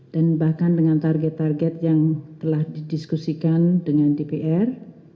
dan bahkan dengan target target yang telah didiskusikan dengan dpr